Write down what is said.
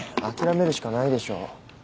諦めるしかないでしょう。